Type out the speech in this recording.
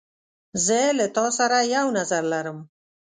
زه له تا سره یو نظر لرم.